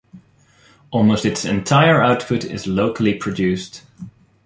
Almost its entire output is locally produced.